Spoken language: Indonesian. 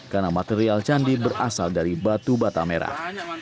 karena material candi berasal dari batu batam merah